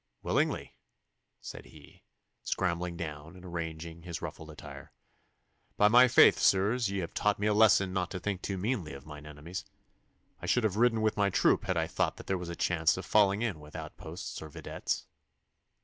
'Willingly,' said he, scrambling down and arranging his ruffled attire. 'By my faith, sirs, ye have taught me a lesson not to think too meanly of mine enemies. I should have ridden with my troop had I thought that there was a chance of falling in with outposts or videttes.